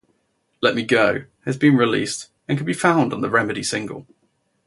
"Let Me Go" has been released and can be found on the "Remedy" single.